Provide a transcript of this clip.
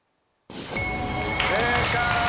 正解！